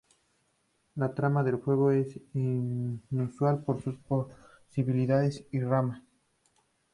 La trama del juego es inusual por sus posibilidades y ramas.